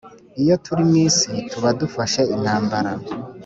iyo turi mw isi tuba dufashe intambara